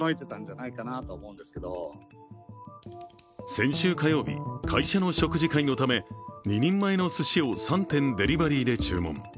先週火曜日、会社の食事会のため、２人前のすしを３点、デリバリーで注文。